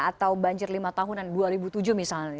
atau banjir lima tahunan dua ribu tujuh misalnya